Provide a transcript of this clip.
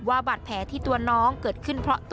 บาดแผลที่ตัวน้องเกิดขึ้นเพราะตัว